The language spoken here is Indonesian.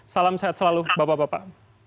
salam sehat selalu bapak bapak